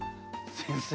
先生